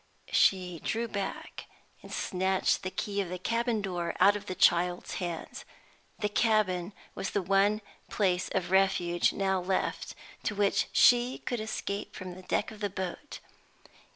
She drew back, and snatched the key of the cabin door out of the child's hand. The cabin was the one place of refuge now left, to which she could escape from the deck of the boat.